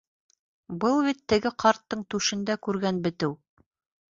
Был бит теге ҡарттың түшендә күргән бетеү!